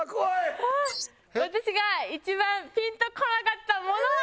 私が一番ピンとこなかったものは。